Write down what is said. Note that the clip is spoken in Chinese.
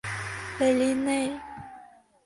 韦利内。